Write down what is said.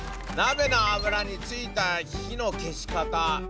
「なべの油についた火の消し方」。